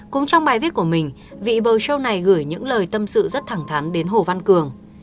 cũng trong bài viết của mình vị bờ châu này gửi những lời tâm sự rất thẳng thắn đến hồ văn cường